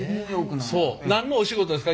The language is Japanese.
何のお仕事ですか？